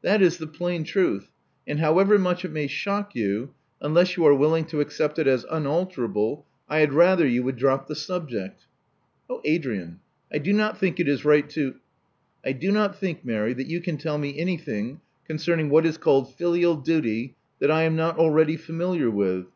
That is the plain truth ; and however much it may shock you, unless you are willing to accept it as unalterable, I had rather you would drop the subject." Oh, Adrian, I do not think it is right to " •*I do not think, Mary, that you can tell me anything concerning what is called filial duty that I am not already familiar with.